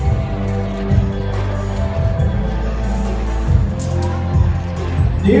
สโลแมคริปราบาล